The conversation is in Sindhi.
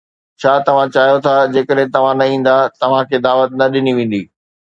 ڇا توهان چاهيو ٿا جيڪڏهن توهان نه ايندا، توهان کي دعوت نه ڏني ويندي